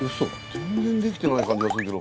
全然できてない感じがするけど。